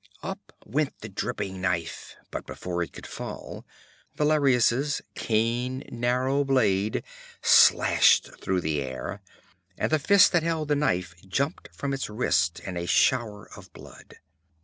Up went the dripping knife, but before it could fall Valerius's keen narrow blade slashed through the air, and the fist that held the knife jumped from its wrist in a shower of blood.